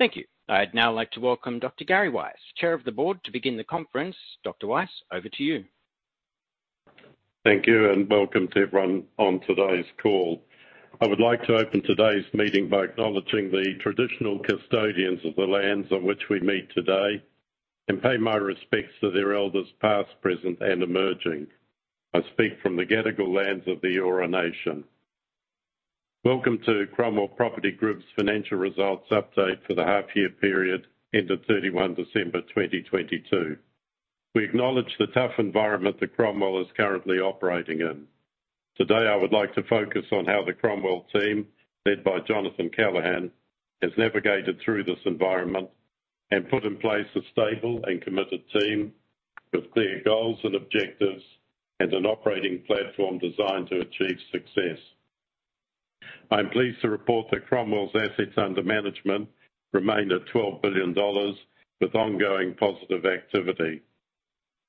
Thank you. I'd now like to welcome Dr. Gary Weiss, Chair of the Board, to begin the conference. Dr. Weiss, over to you. Thank you, and welcome to everyone on today's call. I would like to open today's meeting by acknowledging the traditional custodians of the lands on which we meet today and pay my respects to their elders, past, present, and emerging. I speak from the Gadigal lands of the Eora Nation. Welcome to Cromwell Property Group's financial results update for the half year period ended 31 December 2022. We acknowledge the tough environment that Cromwell is currently operating in. Today, I would like to focus on how the Cromwell team, led by Jonathan Callaghan, has navigated through this environment and put in place a stable and committed team with clear goals and objectives and an operating platform designed to achieve success. I'm pleased to report that Cromwell's assets under management remain at $12 billion with ongoing positive activity.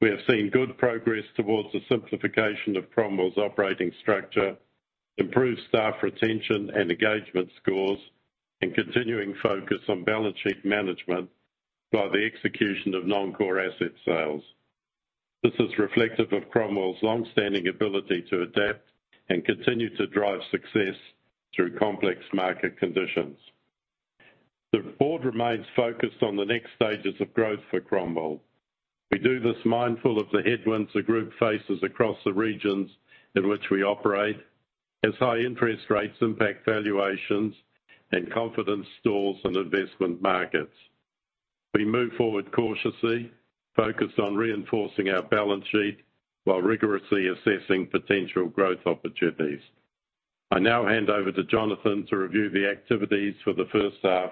We have seen good progress towards the simplification of Cromwell's operating structure, improved staff retention and engagement scores, and continuing focus on balance sheet management via the execution of non-core asset sales. This is reflective of Cromwell's long-standing ability to adapt and continue to drive success through complex market conditions. The board remains focused on the next stages of growth for Cromwell. We do this mindful of the headwinds the group faces across the regions in which we operate, as high interest rates impact valuations and confidence stalls in investment markets. We move forward cautiously, focused on reinforcing our balance sheet while rigorously assessing potential growth opportunities. I now hand over to Jonathan to review the activities for the first half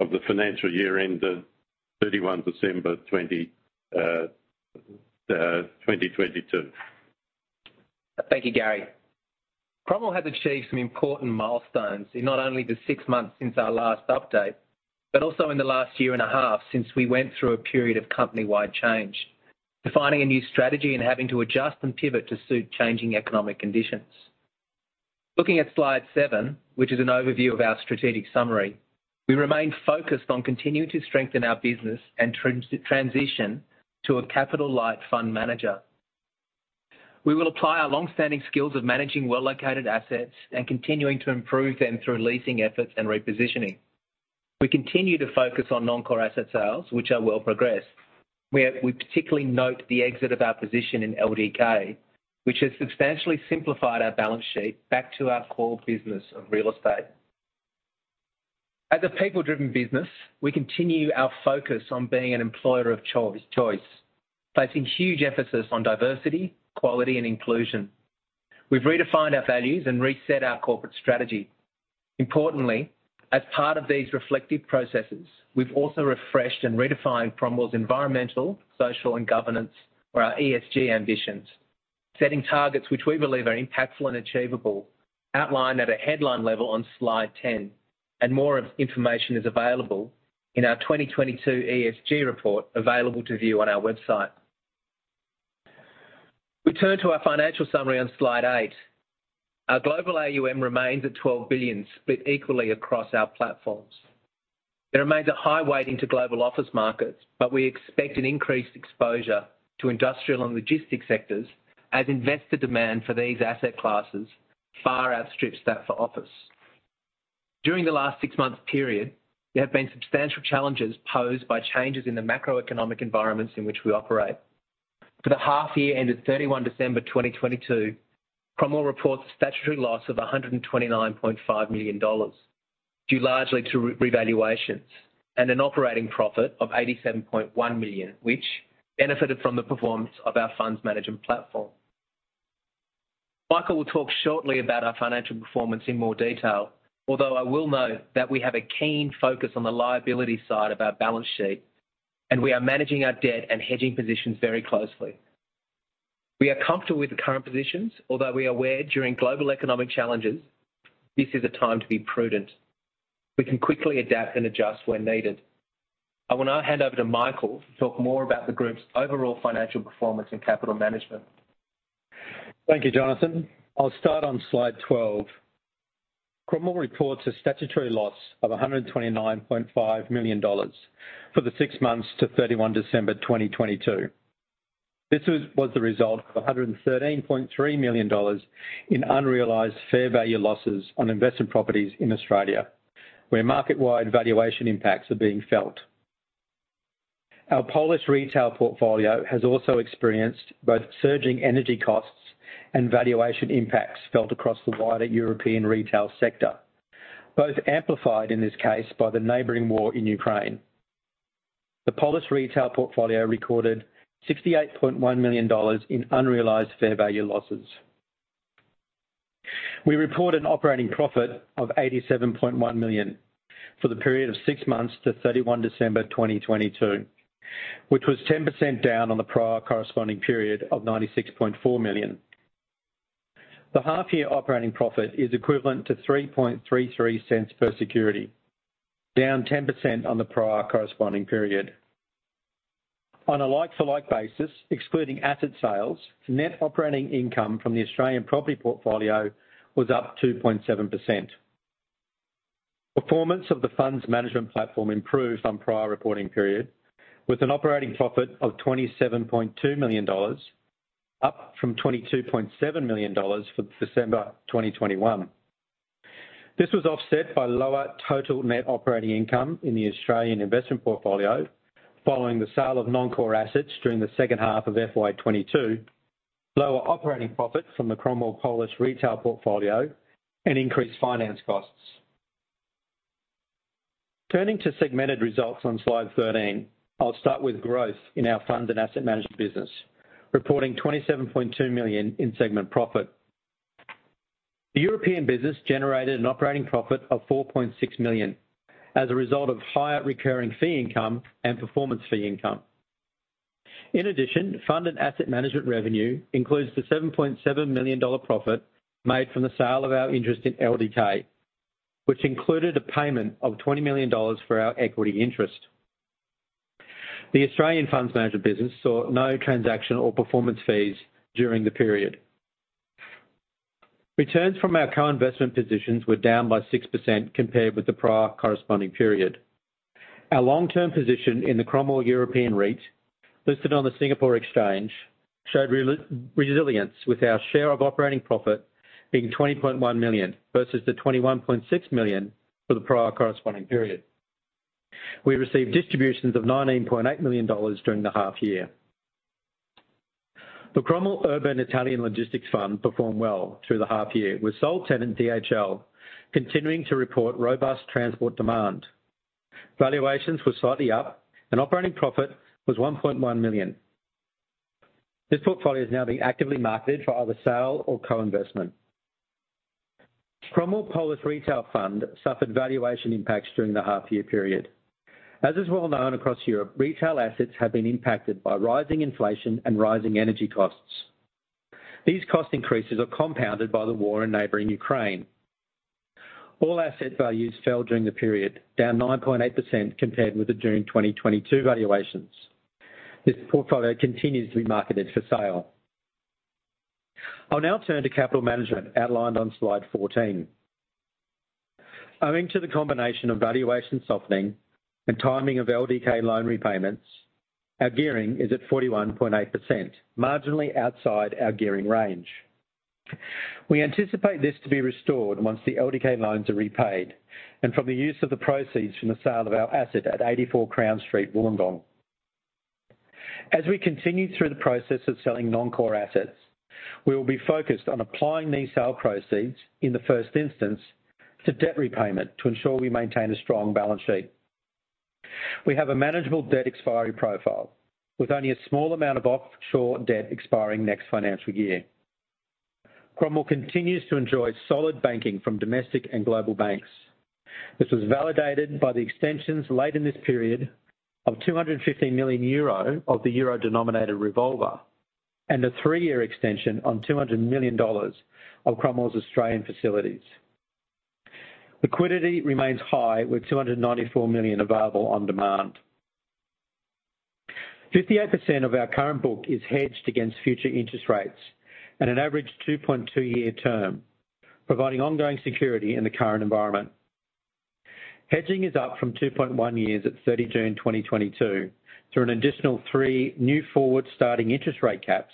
of the financial year ended 31 December 2022. Thank you, Gary. Cromwell has achieved some important milestones in not only the six months since our last update, but also in the last year and a half since we went through a period of company-wide change, defining a new strategy and having to adjust and pivot to suit changing economic conditions. Looking at slide seven, which is an overview of our strategic summary, we remain focused on continuing to strengthen our business and transition to a capital-light fund manager. We will apply our long-standing skills of managing well-located assets and continuing to improve them through leasing efforts and repositioning. We continue to focus on non-core asset sales, which are well progressed. We particularly note the exit of our position in LDK, which has substantially simplified our balance sheet back to our core business of real estate. As a people-driven business, we continue our focus on being an employer of choice, placing huge emphasis on diversity, quality, and inclusion. We've redefined our values and reset our corporate strategy. Importantly, as part of these reflective processes, we've also refreshed and redefined Cromwell's environmental, social, and governance or our ESG ambitions, setting targets which we believe are impactful and achievable, outlined at a headline level on slide 10, and more information is available in our 2022 ESG report available to view on our website. We turn to our financial summary on slide eight. Our global AUM remains at 12 billion, split equally across our platforms. It remains a high weighting to global office markets, but we expect an increased exposure to industrial and logistics sectors as investor demand for these asset classes far outstrips that for office. During the last six-month period, there have been substantial challenges posed by changes in the macroeconomic environments in which we operate. For the half-year ended 31 December, 2022, Cromwell reports a statutory loss of 129.5 million dollars, due largely to revaluations, and an operating profit of 87.1 million, which benefited from the performance of our funds management platform. Michael will talk shortly about our financial performance in more detail, although I will note that we have a keen focus on the liability side of our balance sheet, and we are managing our debt and hedging positions very closely. We are comfortable with the current positions, although we are aware during global economic challenges this is a time to be prudent. We can quickly adapt and adjust when needed. I will now hand over to Michael to talk more about the group's overall financial performance and capital management. Thank you, Jonathan. I'll start on slide 12. Cromwell reports a statutory loss of 129.5 million dollars for the six months to 31 December, 2022. This was the result of 113.3 million dollars in unrealized fair value losses on investment properties in Australia, where market-wide valuation impacts are being felt. Our Polish Retail portfolio has also experienced both surging energy costs and valuation impacts felt across the wider European retail sector, both amplified, in this case, by the neighboring war in Ukraine. The Polish Retail portfolio recorded 68.1 million dollars in unrealized fair value losses. We report an operating profit of 87.1 million for the period of six months to 31 December, 2022, which was 10% down on the prior corresponding period of 96.4 million. The half-year operating profit is equivalent to 0.0333 per security, down 10% on the prior corresponding period. On a like for like basis, excluding asset sales, net operating income from the Australian property portfolio was up 2.7%. Performance of the funds management platform improved on prior reporting period, with an operating profit of 27.2 million dollars, up from 22.7 million dollars for December 2021. This was offset by lower total net operating income in the Australian investment portfolio, following the sale of non-core assets during the second half of FY22, lower operating profits from the Cromwell Polish retail portfolio, and increased finance costs. Turning to segmented results on slide 13, I'll start with growth in our funds and asset management business, reporting 27.2 million in segment profit. The European business generated an operating profit of 4.6 million as a result of higher recurring fee income and performance fee income. Fund and asset management revenue includes the 7.7 million dollar profit made from the sale of our interest in LDK, which included a payment of 20 million dollars for our equity interest. The Australian funds management business saw no transaction or performance fees during the period. Returns from our co-investment positions were down by 6% compared with the prior corresponding period. Our long-term position in the Cromwell European REIT, listed on the Singapore Exchange, showed resilience, with our share of operating profit being 20.1 million versus the 21.6 million for the prior corresponding period. We received distributions of 19.8 million dollars during the half year. The Cromwell Italy Urban Logistics Fund performed well through the half year, with sole tenant DHL continuing to report robust transport demand. Valuations were slightly up, and operating profit was $1.1 million. This portfolio is now being actively marketed for either sale or co-investment. Cromwell Polish Retail Fund suffered valuation impacts during the half year period. As is well known across Europe, retail assets have been impacted by rising inflation and rising energy costs. These cost increases are compounded by the war in neighboring Ukraine. All asset values fell during the period, down 9.8% compared with the June 2022 valuations. This portfolio continues to be marketed for sale. I'll now turn to capital management outlined on slide 14. Owing to the combination of valuation softening and timing of LDK loan repayments, our gearing is at 41.8%, marginally outside our gearing range. We anticipate this to be restored once the LDK loans are repaid, and from the use of the proceeds from the sale of our asset at 84 Crown Street, Wollongong. As we continue through the process of selling non-core assets, we will be focused on applying these sale proceeds in the first instance to debt repayment to ensure we maintain a strong balance sheet. We have a manageable debt expiry profile, with only a small amount of offshore debt expiring next financial year. Cromwell continues to enjoy solid banking from domestic and global banks. This was validated by the extensions late in this period of 250 million euro of the EUR-denominated revolver, and a three-year extension on $200 million of Cromwell's Australian facilities. Liquidity remains high, with 294 million available on demand. 58% of our current book is hedged against future interest rates at an average 2.2-year term, providing ongoing security in the current environment. Hedging is up from 2.1 years at June 30, 2022, through an additional three new forward starting interest rate caps,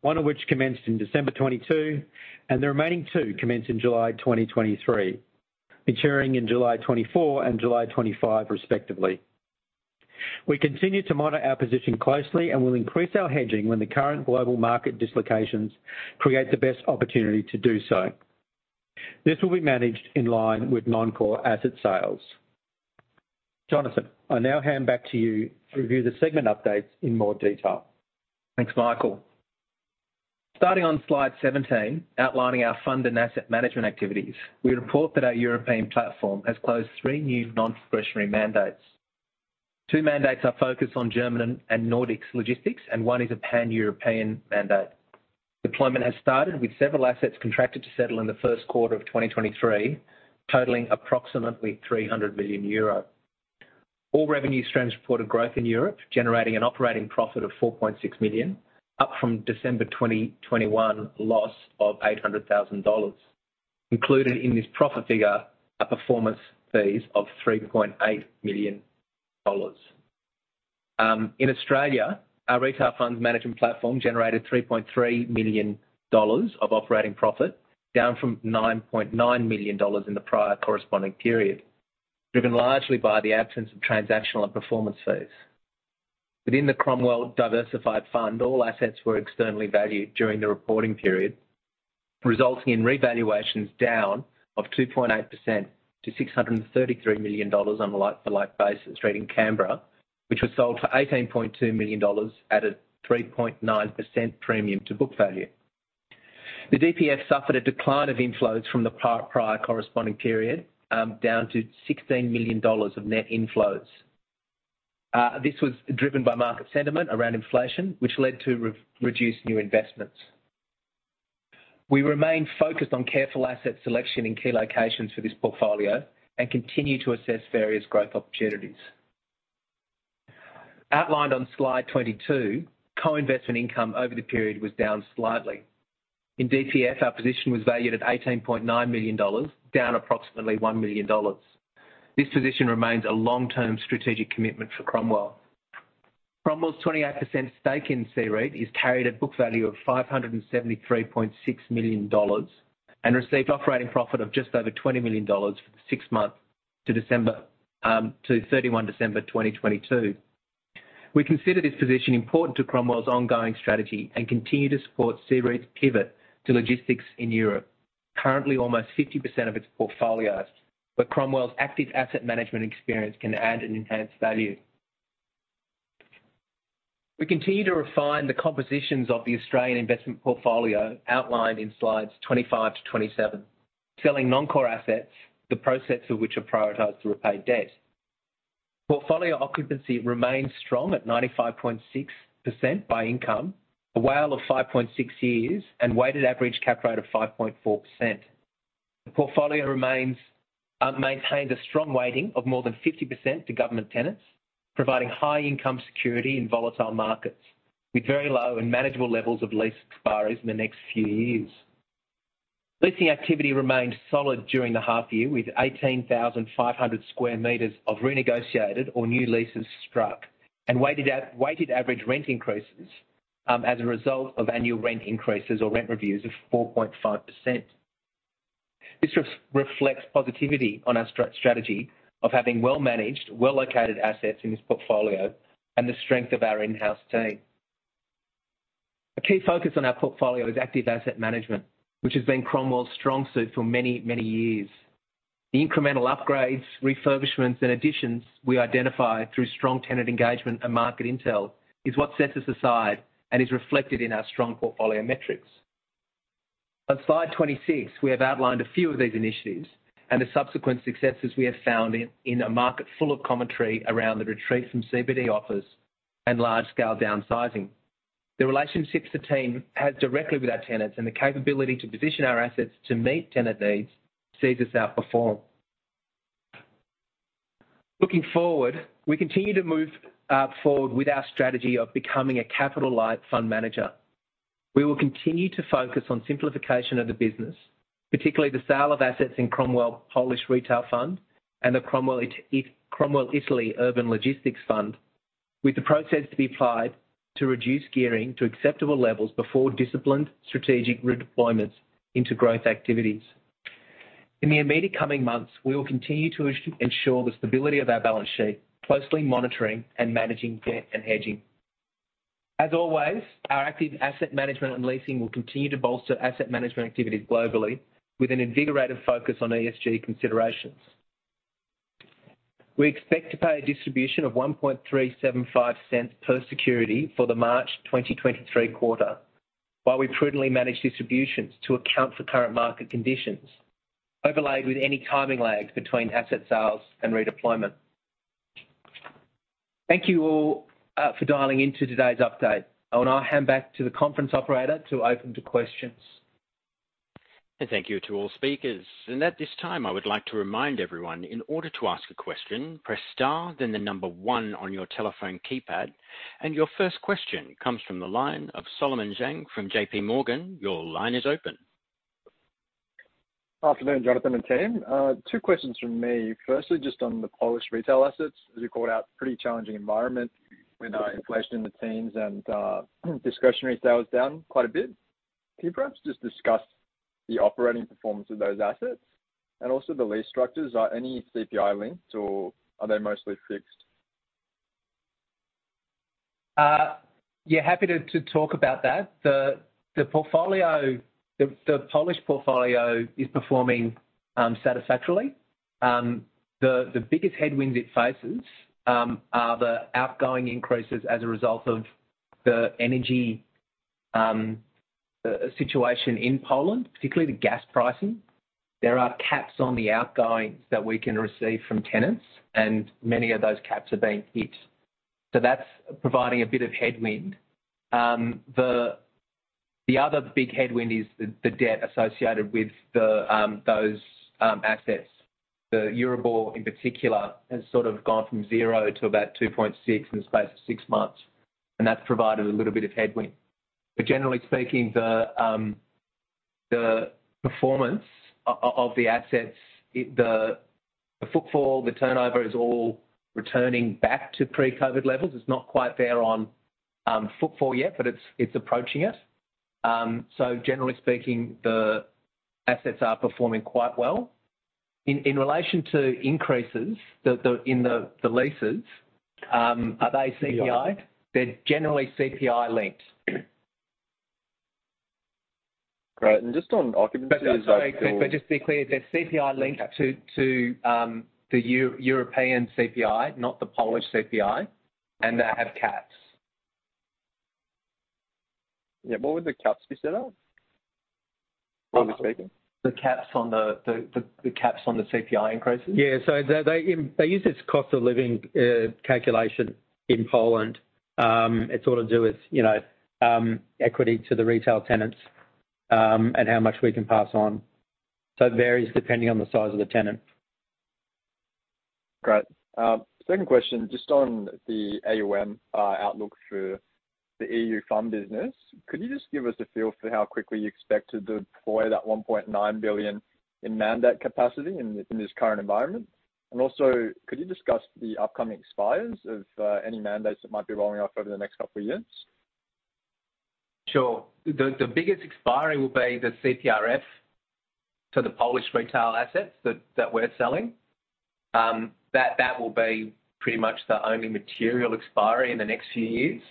one of which commenced in December 2022, and the remaining two commenced in July 2023, maturing in July 2024 and July 2025, respectively. We continue to monitor our position closely and will increase our hedging when the current global market dislocations create the best opportunity to do so. This will be managed in line with non-core asset sales. Jonathan, I now hand back to you to review the segment updates in more detail. Thanks, Michael. Starting on slide 17, outlining our fund and asset management activities, we report that our European platform has closed three new non-discretionary mandates. Two mandates are focused on German and Nordics logistics, and one is a Pan-European mandate. Deployment has started, with several assets contracted to settle in the first quarter of 2023, totaling approximately 300 million euro. All revenue streams reported growth in Europe, generating an operating profit of 4.6 million, up from December 2021 loss of AUD 800,000. Included in this profit figure are performance fees of AUD 3.8 million. In Australia, our retail funds management platform generated AUD 3.3 million of operating profit, down from 9.9 million dollars in the prior corresponding period, driven largely by the absence of transactional and performance fees. Within the Cromwell Diversified Fund, all assets were externally valued during the reporting period, resulting in revaluations down of 2.8% to $633 million on a like-to-like basis, trading Canberra, which was sold for $18.2 million at a 3.9% premium to book value. The DPF suffered a decline of inflows from the prior corresponding period, down to $16 million of net inflows. This was driven by market sentiment around inflation, which led to reduced new investments. We remain focused on careful asset selection in key locations for this portfolio and continue to assess various growth opportunities. Outlined on slide 22, co-investment income over the period was down slightly. In DPF, our position was valued at $18.9 million, down approximately $1 million. This position remains a long-term strategic commitment for Cromwell. Cromwell's 28% stake in C-REIT is carried at book value of $573.6 million and received operating profit of just over $20 million for the six months to 31 December 2022. We consider this position important to Cromwell's ongoing strategy and continue to support C-REIT's pivot to logistics in Europe. Currently, almost 50% of its portfolio, Cromwell's active asset management experience can add and enhance value. We continue to refine the compositions of the Australian Investment Portfolio outlined in slides 25-27, selling non-core assets, the process of which are prioritized to repay debt. Portfolio occupancy remains strong at 95.6% by income, a WALE of 5.6 years, and weighted average cap rate of 5.4%. The portfolio maintains a strong weighting of more than 50% to government tenants, providing high income security in volatile markets with very low and manageable levels of lease expiries in the next few years. Leasing activity remained solid during the half year, with 18,500 square meters of renegotiated or new leases struck and weighted average rent increases, as a result of annual rent increases or rent reviews of 4.5%. This reflects positivity on our strategy of having well-managed, well-located assets in this portfolio and the strength of our in-house team. A key focus on our portfolio is active asset management, which has been Cromwell's strong suit for many, many years. The incremental upgrades, refurbishments, and additions we identify through strong tenant engagement and market intel is what sets us aside and is reflected in our strong portfolio metrics. On slide 26, we have outlined a few of these initiatives and the subsequent successes we have found in a market full of commentary around the retreat from CBD offers and large-scale downsizing. The relationships the team has directly with our tenants and the capability to position our assets to meet tenant needs sees us outperform. Looking forward, we continue to move forward with our strategy of becoming a capital-light fund manager. We will continue to focus on simplification of the business, particularly the sale of assets in Cromwell Polish Retail Fund and the Cromwell Italy Urban Logistics Fund, with the process to be applied to reduce gearing to acceptable levels before disciplined strategic redeployments into growth activities. In the immediate coming months, we will continue to ensure the stability of our balance sheet, closely monitoring and managing debt and hedging. As always, our active asset management and leasing will continue to bolster asset management activities globally with an invigorated focus on ESG considerations. We expect to pay a distribution of 0.01375 per security for the March 2023 quarter, while we prudently manage distributions to account for current market conditions, overlaid with any timing lag between asset sales and redeployment. Thank you all for dialing into today's update. I want to hand back to the conference operator to open to questions. Thank you to all speakers. At this time, I would like to remind everyone, in order to ask a question, press star then the number one on your telephone keypad. Your first question comes from the line of Solomon Zhang from J.P. Morgan. Your line is open. Afternoon, Jonathan and team. Two questions from me. Firstly, just on the Polish retail assets, as you called out, pretty challenging environment with inflation in the teens and discretionary sales down quite a bit. Can you perhaps just discuss the operating performance of those assets and also the lease structures? Are any CPI linked or are they mostly fixed? Yeah, happy to talk about that. The Polish portfolio is performing satisfactorily. The biggest headwinds it faces are the outgoing increases as a result of the energy situation in Poland, particularly the gas pricing. There are caps on the outgoings that we can receive from tenants, and many of those caps are being hit. That's providing a bit of headwind. The other big headwind is the debt associated with those assets. The Euribor in particular has sort of gone from zero to about 2.6 in the space of 6 months, and that's provided a little bit of headwind. Generally speaking, the performance of the assets, the footfall, the turnover is all returning back to pre-COVID levels. It's not quite there on, footfall yet, but it's approaching it. Generally speaking, the assets are performing quite well. In relation to increases in the leases. CPI. Are they CPI? They're generally CPI linked. Great. Just on occupancy, is that still? Just be clear, they're CPI linked to- Okay... to European CPI, not the Polish CPI, and they have caps. Yeah. What would the caps be set at, roughly speaking? the caps on the CPI increases? Yeah. They use this cost of living calculation in Poland. It's all to do with, you know, equity to the retail tenants, and how much we can pass on. It varies depending on the size of the tenant. Great. Second question, just on the AUM outlook for the EU fund business. Could you just give us a feel for how quickly you expect to deploy that 1.9 billion in mandate capacity in this current environment? Also, could you discuss the upcoming expires of any mandates that might be rolling out over the next couple of years? Sure. The biggest expiry will be the CPRF to the Polish retail assets that we're selling. That will be pretty much the only material expiry in the next few years.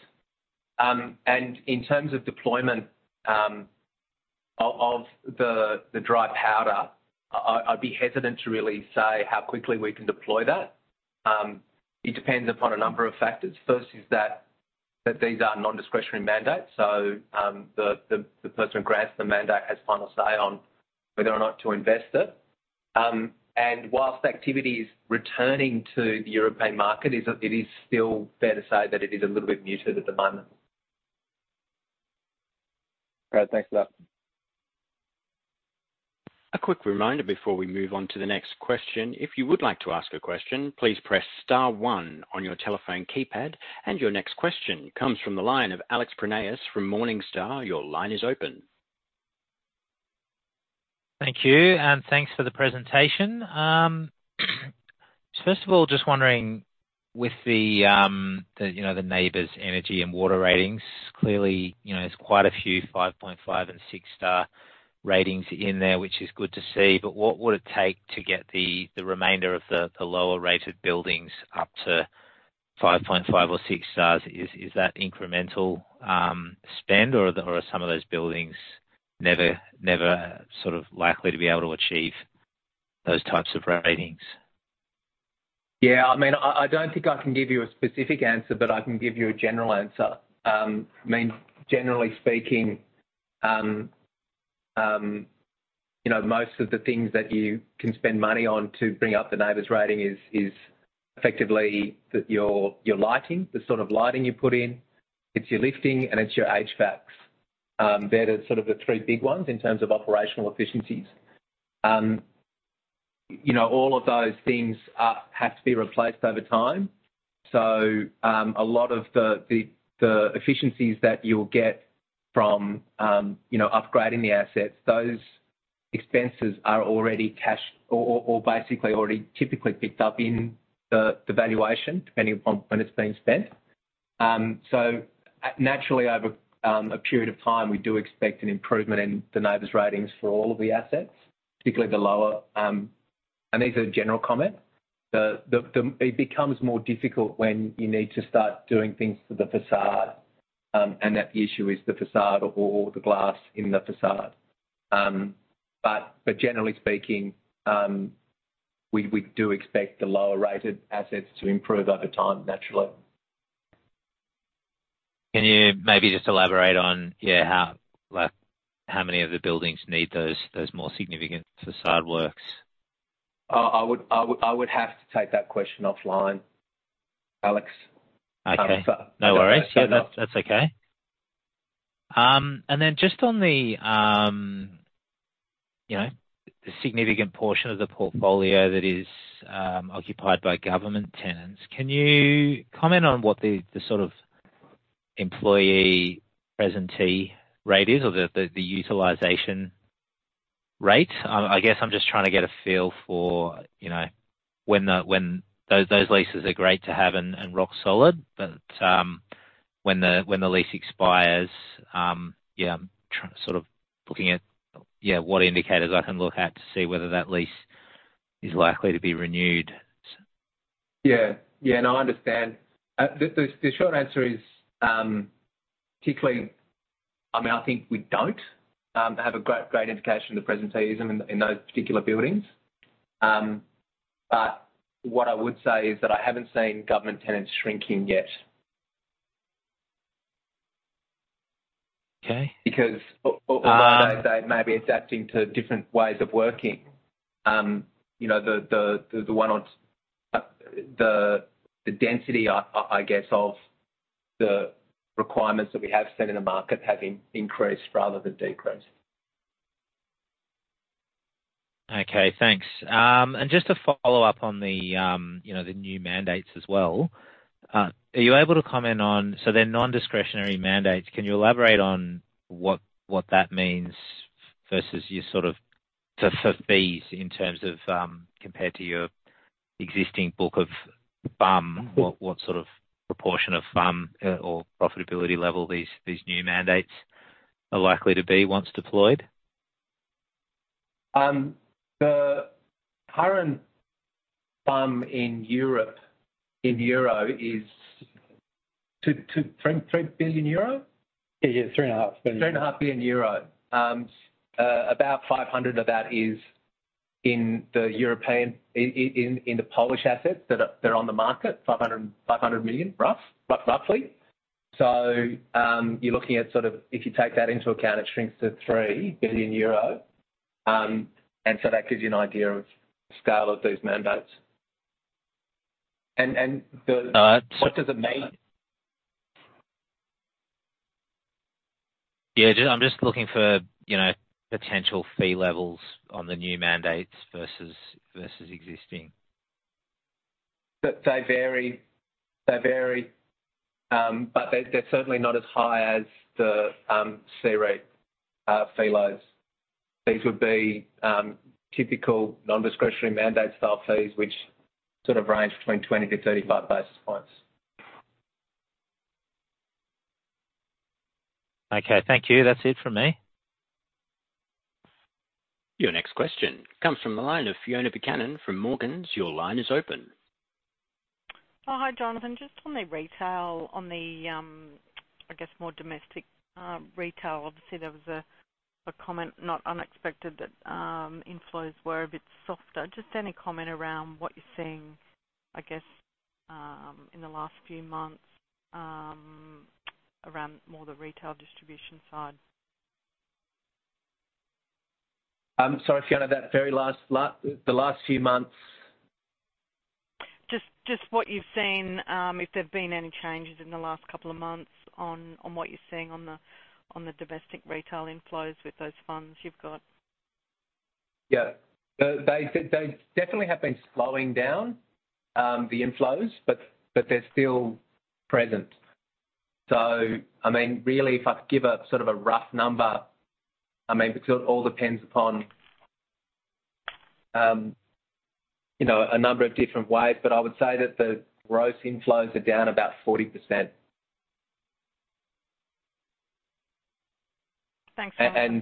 In terms of deployment, of the dry powder, I'd be hesitant to really say how quickly we can deploy that. It depends upon a number of factors. First is that these are non-discretionary mandates, so the person who grants the mandate has final say on whether or not to invest it. Whilst activity is returning to the European market, it is still fair to say that it is a little bit muted at the moment. Great. Thanks for that. A quick reminder before we move on to the next question. If you would like to ask a question, please press star one on your telephone keypad. Your next question comes from the line of Alexander Prineas from Morningstar. Your line is open. Thank you, thanks for the presentation. First of all, just wondering, with the, you know, the NABERS Energy and Water Ratings, clearly, you know, there's quite a few 5.5 and 6-star ratings in there, which is good to see. What would it take to get the remainder of the lower-rated buildings up to 5.5 or 6 stars? Is that incremental spend, or are some of those buildings never sort of likely to be able to achieve those types of ratings? Yeah, I mean, I don't think I can give you a specific answer, but I can give you a general answer. I mean, generally speaking, you know, most of the things that you can spend money on to bring up the NABERS rating is effectively the, your lighting, the sort of lighting you put in. It's your lifting, and it's your HVAC. They're the sort of the three big ones in terms of operational efficiencies. You know, all of those things are, have to be replaced over time. A lot of the efficiencies that you'll get from, you know, upgrading the assets, those expenses are already cashed or basically already typically picked up in the valuation, depending upon when it's being spent. Naturally, over a period of time, we do expect an improvement in the NABERS ratings for all of the assets, particularly the lower. These are general comments. It becomes more difficult when you need to start doing things to the façade, and that the issue is the façade or the glass in the façade. Generally speaking, we do expect the lower-rated assets to improve over time, naturally. Can you maybe just elaborate on, yeah, how, like, how many of the buildings need those more significant façade works? I would have to take that question offline, Alex. Okay. Um, but No worries. Yeah, that's okay. Just on the, you know, the significant portion of the portfolio that is occupied by government tenants, can you comment on what the sort of employee presentee rate is or the utilization rate? I guess I'm just trying to get a feel for, you know, when those leases are great to have and rock solid, but when the lease expires, yeah, I'm sort of looking at, yeah, what indicators I can look at to see whether that lease is likely to be renewed. Yeah. Yeah, no, I understand. The short answer is, particularly, I mean, I think we don't have a great indication of the presenteeism in those particular buildings. What I would say is that I haven't seen government tenants shrinking yet. Okay. Over the last day, maybe adapting to different ways of working, you know, the one or the density, I guess, of the requirements that we have set in the market have increased rather than decreased. Okay, thanks. Just to follow up on the, you know, the new mandates as well, are you able to comment on? They're non-discretionary mandates. Can you elaborate on what that means versus you sort of so fees in terms of, compared to your existing book of FUM, what sort of proportion of FUM, or profitability level these new mandates are likely to be once deployed? The current FUM in Europe, in euro is 2.233 billion euro? Yeah. three and a half billion. Three and a half billion euro. About 500 million of that is in the European, in the Polish assets that are on the market, roughly. You're looking at sort of, if you take that into account, it shrinks to 3 billion euros. That gives you an idea of scale of those mandates. No. What does it mean? Yeah, I'm just looking for, you know, potential fee levels on the new mandates versus existing. They vary. They vary, but they're certainly not as high as the C-REIT fee loads. These would be typical non-discretionary mandate style fees, which sort of range between 20-35 basis points. Okay, thank you. That's it from me. Your next question comes from the line of Fiona Buchanan from Morgans. Your line is open. Oh, hi, Jonathan. Just on the retail, I guess more domestic retail, obviously, there was a comment not unexpected that inflows were a bit softer. Just any comment around what you're seeing, I guess, in the last few months, around more the retail distribution side? I'm sorry, Fiona, the last few months? Just what you've seen, if there have been any changes in the last couple of months on what you're seeing on the domestic retail inflows with those funds you've got. Yeah. They definitely have been slowing down, the inflows, but they're still present. I mean, really, if I give a sort of a rough number, I mean, because it all depends upon, you know, a number of different ways, but I would say that the gross inflows are down about 40%. Thanks so much.